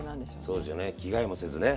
そうでしょうね着替えもせずね。